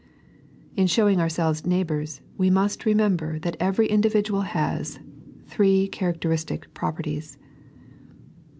In showing ourselves neighbours, we must remember that every individual has ThBES CHABACrSBISnC PBOPEKTIES.